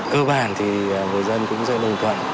cơ bản thì người dân cũng rất đồng tuận